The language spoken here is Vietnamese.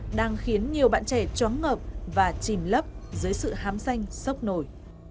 đang khiến nhiều bạn trẻ chóng ngợp và chìm lấp dưới sự hám xanh sốc nổi